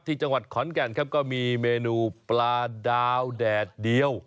ที่จังหวัดขอนแก่นครับก็มีเมนูปลาดาวแดดเดียว